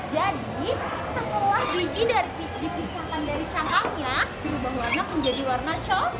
jadi setelah biji dari coklatnya berubah warna menjadi warna coklat